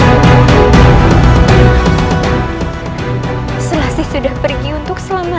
aku membawa selasi dalam keadaan terselamat